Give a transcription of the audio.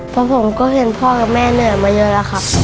เพราะผมก็เห็นพ่อกับแม่เหนื่อยมาเยอะแล้วครับ